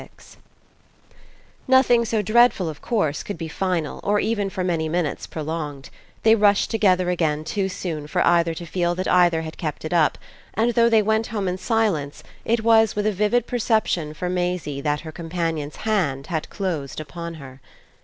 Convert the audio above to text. XXVI Nothing so dreadful of course could be final or even for many minutes prolonged: they rushed together again too soon for either to feel that either had kept it up, and though they went home in silence it was with a vivid perception for Maisie that her companion's hand had closed upon her.